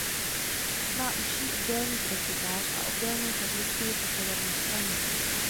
Má užší obdélný presbytář a obdélnou sakristii po severní straně.